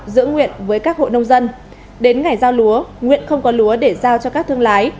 giữa nguyện với các hộ nông dân đến ngày giao lúa nguyện không có lúa để giao cho các thương lái